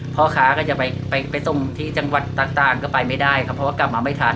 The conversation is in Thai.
พ่อค้าก็ยับไปจมพ้นที่จังหวัดต่างบันก็ไปไม่ได้เพรากลับมาไม่ทัน